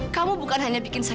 kamu bukan hanya bikin sedih